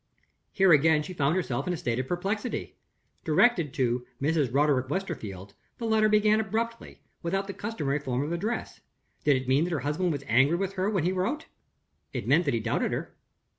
Here again she found herself in a state of perplexity. Directed to "Mrs. Roderick Westerfield," the letter began abruptly, without the customary form of address. Did it mean that her husband was angry with her when he wrote? It meant that he doubted her.